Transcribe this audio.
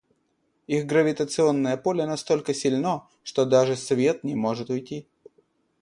Их гравитационное поле настолько сильно, что даже свет не может уйти.